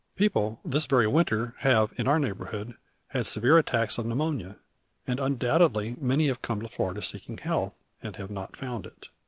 People this very winter have in our neighborhood had severe attacks of pneumonia; and undoubtedly many have come to Florida seeking health, and have not found it.